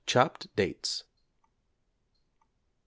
chopped dates. =87.